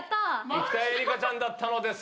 生田絵梨花ちゃんだったのです。